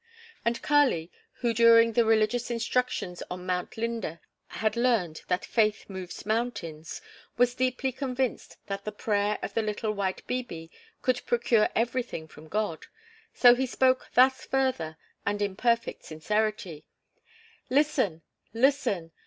And Kali, who during the religious instructions on Mount Linde had learned that faith moves mountains, was deeply convinced that the prayer of the little white "bibi" could procure everything from God; so he spoke thus further and in perfect sincerity: "Listen! Listen!